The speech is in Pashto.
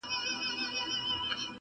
ما چي ګولیو ته سینه سپرول.!